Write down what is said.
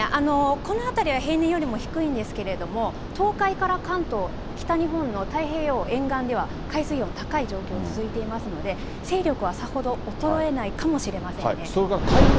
この辺りは平年よりも低いんですけれども、東海から関東、北日本の太平洋沿岸では海水温、高い状況が続いていますので、勢力はさほど衰えないかもしれませんね。